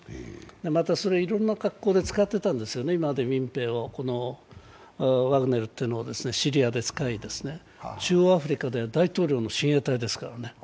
また、いろんな格好で使っていたんですよね、今まで民兵をこのワグネルっていうのをシリアで使い、中央アフリカでは大統領の親衛隊ですからね。